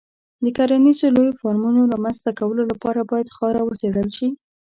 د کرنیزو لویو فارمونو رامنځته کولو لپاره باید خاوره وڅېړل شي.